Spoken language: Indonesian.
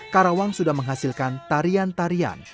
karawang sudah menghasilkan tarian tarian